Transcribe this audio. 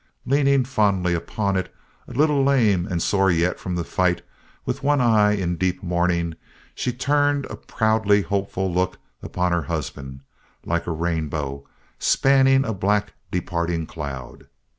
Leaning fondly upon it, a little lame and sore yet from the fight and with one eye in deep mourning, she turned a proudly hopeful look upon her husband, like a rainbow spanning a black departing cloud.